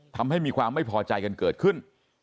ทำให้มีความไม่พอใจกันเกิดขึ้น